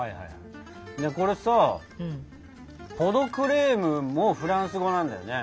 これさポ・ド・クレームもフランス語なんだよね？